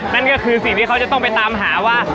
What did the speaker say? นั่นก็คือสิ่งที่เขาจะต้องไปตามหาว่า